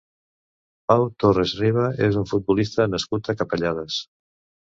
Pau Torres Riba és un futbolista nascut a Capellades.